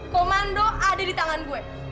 komando ada di tangan gue